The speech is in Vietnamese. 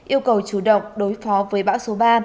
yêu cầu chủ động đối phó với bão số ba